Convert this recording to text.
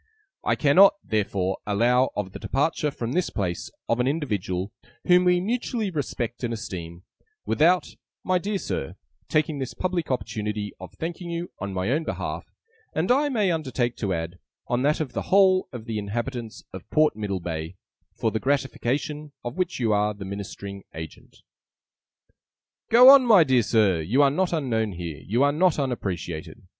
'I cannot, therefore, allow of the departure from this place of an individual whom we mutually respect and esteem, without, my dear Sir, taking this public opportunity of thanking you, on my own behalf, and, I may undertake to add, on that of the whole of the Inhabitants of Port Middlebay, for the gratification of which you are the ministering agent. 'Go on, my dear Sir! You are not unknown here, you are not unappreciated.